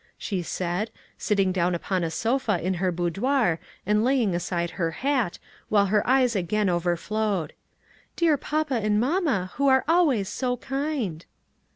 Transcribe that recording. she said, sitting down upon a sofa in her boudoir and laying aside her hat, while her eyes again overflowed; "dear papa and mamma, who are always so kind!"